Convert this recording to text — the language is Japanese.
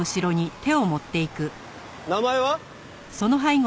名前は？